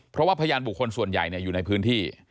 เพราะว่าพยานบุคคลส่วนใหญ่อยู่ในพื้นที่